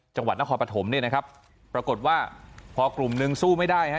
จังหวัดนครปฐมเนี่ยนะครับปรากฏว่าพอกลุ่มนึงสู้ไม่ได้ฮะ